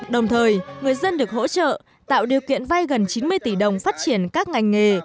đồng thời người dân được hỗ trợ tạo điều kiện vay gần chín mươi tỷ đồng phát triển các ngành nghề